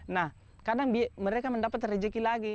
nah kadang mereka mendapat rezeki lagi